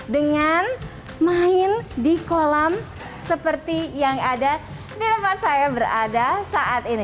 dengan main di kolam seperti yang ada di tempat saya berada saat ini